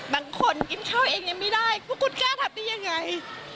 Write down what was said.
บางคนกินข้าวเองยังไม่ได้พวกคุณกล้าทำได้ยังไง